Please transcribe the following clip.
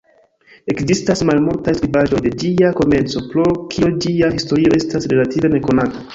Ekzistas malmultaj skribaĵoj de ĝia komenco, pro kio ĝia historio estas relative nekonata.